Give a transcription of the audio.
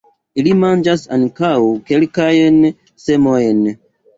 Ili manĝas ankaŭ kelkajn semojn.